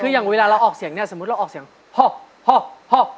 อย่างเวลาเราออกเสียงแล้วสมมูลว่าฮฮฮอคฮอคฮฮอคฮ